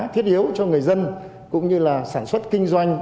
thiết yếu cho người dân cũng như là sản xuất kinh doanh